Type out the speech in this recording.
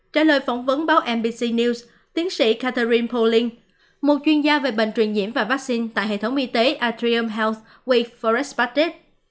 trả lời phỏng vấn báo nbc news tiến sĩ catherine poling một chuyên gia về bệnh truyền nhiễm và vaccine tại hệ thống y tế atrium health